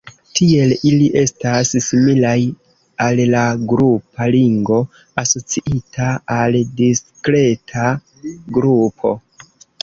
Tiel ili estas similaj al la grupa ringo asociita al diskreta grupo.